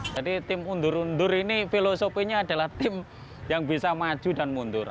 jadi tim undur undur ini filosofinya adalah tim yang bisa maju dan mundur